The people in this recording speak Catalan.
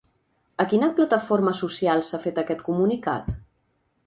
A quina plataforma social s'ha fet aquest comunicat?